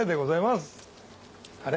あれ？